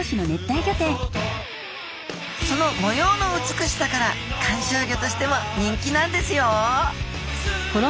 その模様の美しさから観賞魚としても人気なんですよ